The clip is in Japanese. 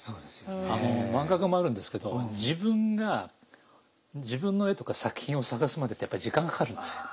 あの漫画家もあるんですけど自分が自分の絵とか作品を探すまでって時間がかかるんですよ。